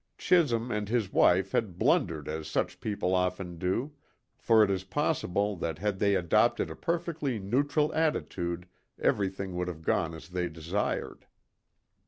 Chisholm and his wife had blundered as such people often do, for it is possible that had they adopted a perfectly neutral attitude everything would have gone as they desired.